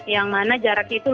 yang mana jaraknya itu luar